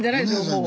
もう。